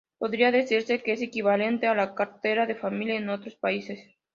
Podría decirse que es equivalente a la cartera de familia en otros países,